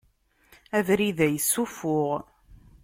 Abrid-a yessufuɣ.